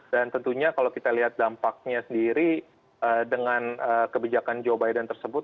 dan tentunya kalau kita lihat dampaknya sendiri ee dengan ee kebijakan joe biden tersebut